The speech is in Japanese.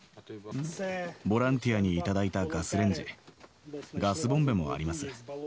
ボランティアに頂いたガスレンジ、ガスボンベもあります。